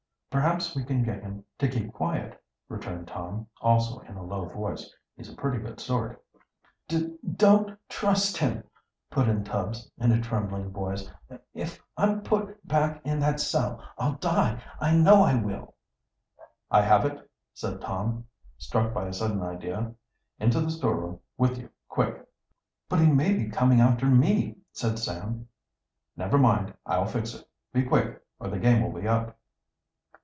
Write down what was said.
"Perhaps we can get him to keep quiet," returned Tom, also in a low voice. "He's a pretty good sort." "Do don't trust him," put in Tubbs, in a trembling voice. "If I'm put back in that cell I'll die; I know I will!" "I have it," said Tom, struck by a sudden idea. "Into the storeroom with you, quick! "But he may be coming after me!" said Sam. "Never mind I'll fix it. Be quick, or the game will be up!"